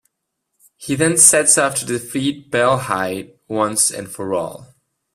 He then sets off to defeat Baelheit once and for all.